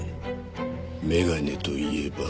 眼鏡といえば。